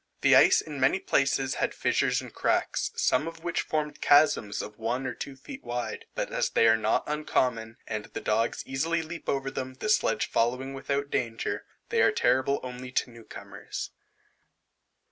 The ice in many places had fissures and cracks, some of which formed chasms of one or two feet wide; but as they are not uncommon, and the dogs easily leap over them, the sledge following without danger, they are terrible only to new comers.